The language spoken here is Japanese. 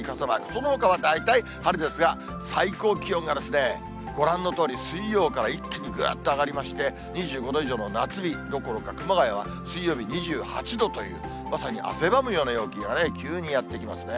そのほかは大体晴れですが、最高気温がですね、ご覧のとおり水曜から一気にぐっと上がりまして、２５度以上の夏日どころか、熊谷は水曜日２８度というまさに汗ばむような陽気が急にやって来ますね。